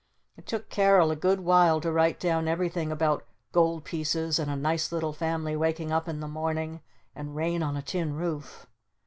It took Carol a good while to write down everything about "Gold Pieces" and a "Nice Little Family waking up in the Morning" and "Rain on a Tin Roof."